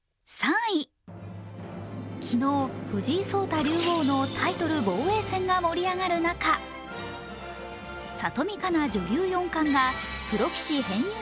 昨日、藤井聡太竜王のタイトル防衛戦が盛り上がる中、里見香奈女流四冠がプロ棋士編入